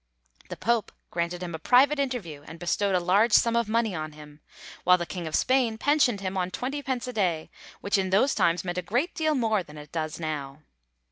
The Pope granted him a private interview, and bestowed a large sum of money on him, while the King of Spain pensioned him on twenty pence a day, which in those times meant a great deal more than it does now.